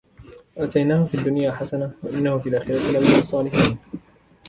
وَآتَيْنَاهُ فِي الدُّنْيَا حَسَنَةً وَإِنَّهُ فِي الْآخِرَةِ لَمِنَ الصَّالِحِينَ